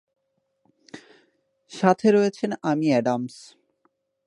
সাথে রয়েছেন Amy Adams.